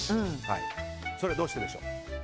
それはどうしてでしょう？